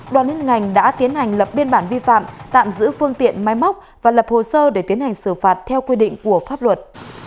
đoàn liên ngành đã tiến hành lập biên bản vi phạm tạm giữ phương tiện máy móc và lập hồ sơ để tiến hành xử phạt theo quy định của pháp luật